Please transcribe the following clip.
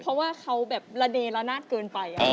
เพราะว่าเขาแบบระเนละนาดเกินไป